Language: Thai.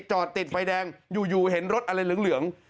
จอดติดไฟแดงอยู่เห็นรถอะไรเหลือง